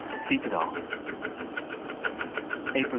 Sleep it off! April 16.